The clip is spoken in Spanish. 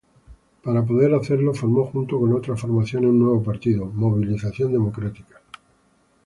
Para poder hacerlo formó junto con otras formaciones un nuevo partido, Movilización Democrática.